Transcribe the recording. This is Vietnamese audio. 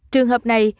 trường hợp này